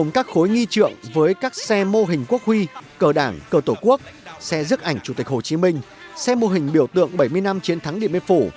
các khối nghi trượng với các xe mô hình quốc huy cờ đảng cờ tổ quốc xe dứt ảnh chủ tịch hồ chí minh xe mô hình biểu tượng bảy mươi năm chiến thắng điện biên phủ